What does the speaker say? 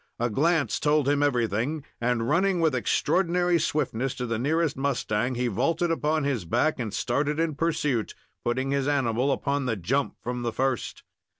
A glance told him everything, and, running with extraordinary swiftness to the nearest mustang, he vaulted upon his back and started in pursuit, putting his animal upon the jump from the first.